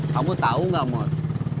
kamu tau ga mod